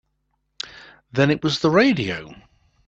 Then it was the radio.